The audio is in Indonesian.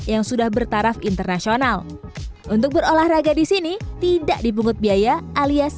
yang sudah bertaraf internasional untuk berolahraga di sini tidak dipungut biaya alias